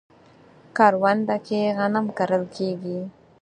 کرونده کې غنم کرل کیږي